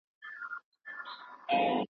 چا دروغ لیکلي دي.